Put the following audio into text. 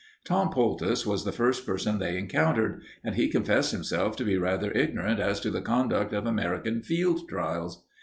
Tom Poultice was the first person they encountered, and he confessed himself to be rather ignorant as to the conduct of American field trials.